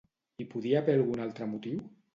Hi podia haver algun altre motiu?